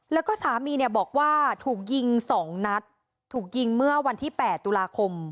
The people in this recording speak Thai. แล้วก็สามีเนี่ยบอกว่าถูกยิง๒นัดถูกยิงเมื่อวันที่๘ตุลาคม